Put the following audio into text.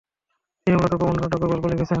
তিনি মূলত প্রবন্ধ, নাটক ও গল্প লিখেছেন।